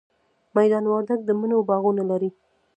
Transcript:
میدان وردګ د مڼو باغونه لري